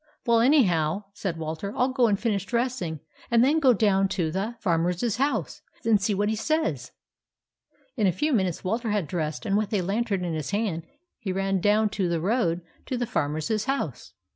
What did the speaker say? "Well, anyhow," said Walter, " I'll go and finish dressing, and then go down to the Farmers house and see what he says." In a few minutes Walter had dressed, and with a lantern in his hand he ran down to the road to the Farmer's house.